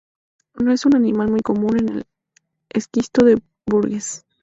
No es un animal muy común en el esquisto de Burgess.